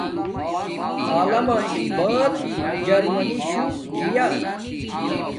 علامہ اقبال جرمنی شو گیا